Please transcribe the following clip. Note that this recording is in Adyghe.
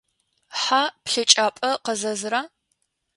Хьа плъэкӏапӏэ кӏэзэзыра?